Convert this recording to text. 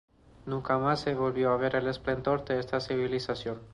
Nunca más se volvió a ver el esplendor de esta civilización.